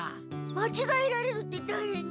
まちがえられるってだれに？